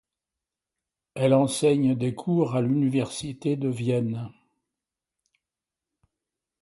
Elle enseigne des cours à l'université de Vienne.